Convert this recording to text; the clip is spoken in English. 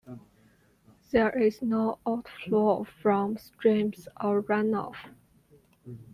There is no outflow from streams or runoff.